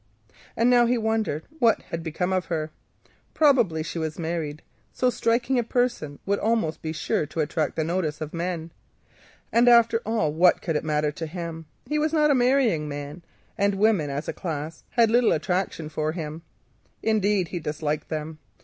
And now he wondered what had become of her. Probably she was married; so striking a person would be almost sure to attract the notice of men. And after all what could it matter to him? He was not a marrying man, and women as a class had little attraction for him; indeed he disliked them.